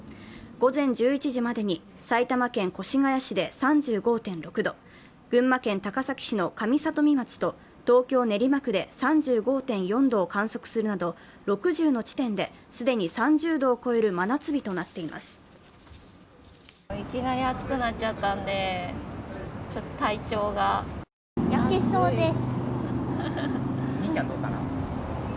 午前１１時までに埼玉県熊谷市で３５．６度、群馬県高崎市の上里見町と東京・練馬区で３５．４度を観測するなど６０の地点で既に３０度を超える真夏日となっています。